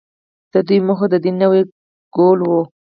د دوی موخه د دین نوی کول وو.